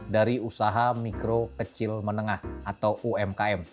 dari usaha mikro kecil menengah atau umkm